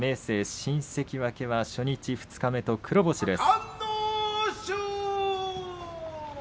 新関脇、初日、二日と黒星です。